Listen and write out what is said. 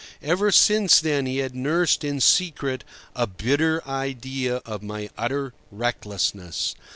Ever since then he had nursed in secret a bitter idea of my utter recklessness.